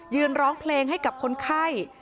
ร้องเพลงให้กับคนไข้